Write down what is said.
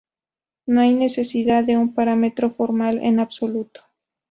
No hay necesidad de un parámetro formal en absoluto.